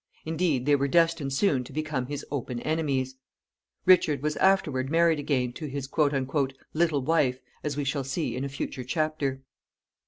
Indeed, they were destined soon to become his open enemies. Richard was afterward married again, to his "little wife," as we shall see in a future chapter.